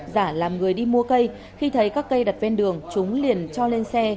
giả làm người đi mua cây khi thấy các cây đặt ven đường chúng liền cho lên xe